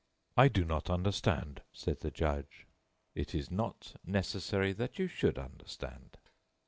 "I do not understand," said the judge. "It is not necessary that you should understand."